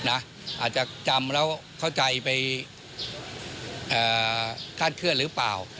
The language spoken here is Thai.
อาจจะจำแล้วเข้าใจไปคาดเคลื่อนหรือเปล่า